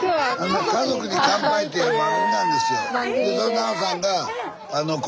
「家族に乾杯」っていう番組なんですよ。